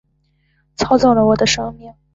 操纵了我的生命